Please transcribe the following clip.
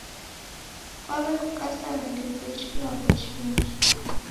Kwaw'ekukasa na ndekuichi kilambo chingi